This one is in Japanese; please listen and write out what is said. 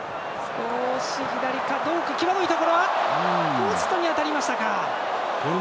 ポストに当たりましたか。